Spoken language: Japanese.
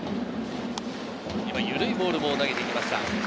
今、ゆるいボールを投げてきました。